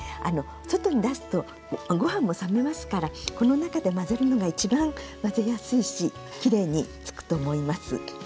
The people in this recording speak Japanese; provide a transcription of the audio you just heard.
外に出すとご飯も冷めますからこの中で混ぜるのが一番混ぜやすいしきれいにつくと思います。